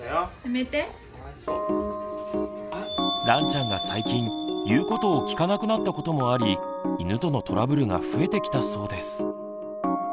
らんちゃんが最近言うことを聞かなくなったこともあり犬とのトラブルが増えてきたそうです。